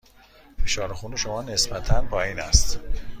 فشار خون شما نسبتاً پایین است.